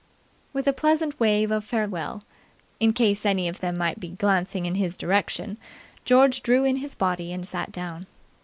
With a pleasant wave of farewell, in case any of them might be glancing in his direction, George drew in his body and sat down.